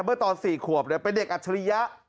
เมื่อตอน๔ขวบเป็นเด็กอัจฉริยะ